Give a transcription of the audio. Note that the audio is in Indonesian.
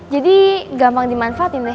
jadi gampang dimanfaatin deh